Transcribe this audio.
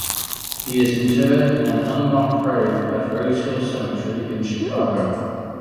He is interred in an unmarked grave at Rosehill Cemetery in Chicago.